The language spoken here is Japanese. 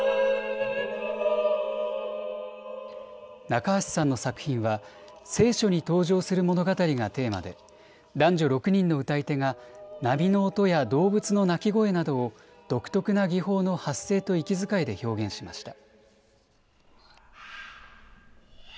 中橋さんの作品は聖書に登場する物語がテーマで男女６人の歌い手が波の音や動物の鳴き声などを独特な技法の発声と息遣いで表現しました。